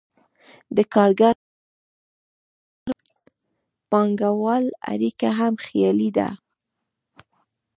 د کارګر او پانګهوال اړیکه هم خیالي ده.